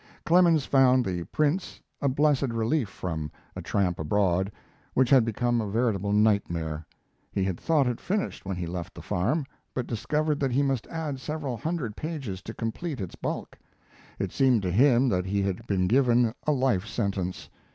Clemens found the Prince a blessed relief from 'A Tramp Abroad', which had become a veritable nightmare. He had thought it finished when he left the farm, but discovered that he must add several hundred pages to complete its bulk. It seemed to him that he had been given a life sentence.